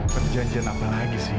perjanjian apa lagi sih